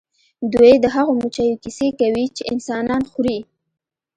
دوی د هغو مچیو کیسې کوي چې انسانان خوري